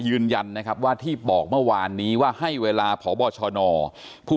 ยืนยันนะครับว่าที่บอกเมื่อวานนี้ว่าให้เวลาพบชนผู้